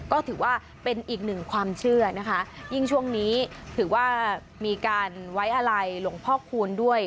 ก็ถือว่าเป็นอีกหนึ่งความเชื่อนะคะยิ่งช่วงนี้ถือว่ามีการไว้อะไรหลวงพ่อคูณด้วย